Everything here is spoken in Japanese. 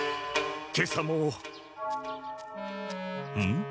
今朝も。